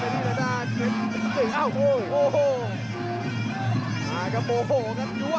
ตอนนั้นตัวออกไปนี่แล้วได้อ้าวโอ้โหอ่ากระโบโหครับยั่วครับ